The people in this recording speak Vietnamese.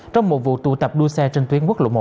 trong một vụ tụ tập đua xe trên tuyến quốc lộ một